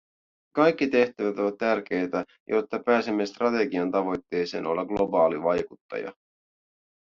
Kaikki tehtävät ovat tärkeitä, jotta pääsemme strategian tavoitteeseen olla globaali vaikuttaja.